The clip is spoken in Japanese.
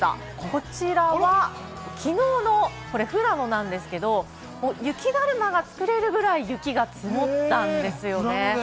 こちらは、きのうの富良野なんですけれど、雪だるまが作れるくらい、雪が積もったんですよね。